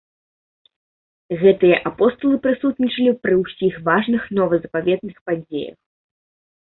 Гэтыя апосталы прысутнічалі пры ўсіх важных новазапаветных падзеях.